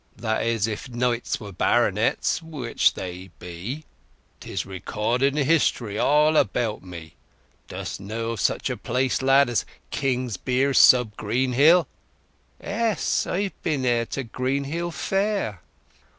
"That is if knights were baronets—which they be. 'Tis recorded in history all about me. Dost know of such a place, lad, as Kingsbere sub Greenhill?" "Ees. I've been there to Greenhill Fair."